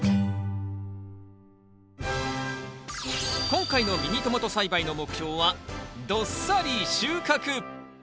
今回のミニトマト栽培の目標はどっさり収穫。